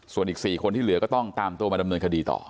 ส่วนอีก๔คนที่เหลือก็ต้องตามตัวมาดำเนินคดีต่อ